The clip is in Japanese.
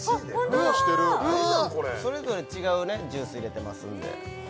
何なんこれそれぞれ違うねジュース入れてますんであ！